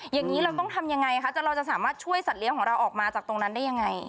อย่างนี้เราต้องทำยังไงคะเราจะสามารถช่วยสัตว์ของเราออกมาจากตรงนั้นได้ยังไง